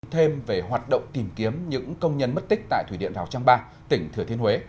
thêm về hoạt động tìm kiếm những công nhân mất tích tại thủy điện rào trang ba tỉnh thừa thiên huế